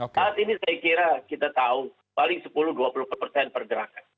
saat ini saya kira kita tahu paling sepuluh dua puluh persen pergerakan